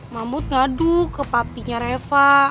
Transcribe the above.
mamut ngaduk ke papinya reva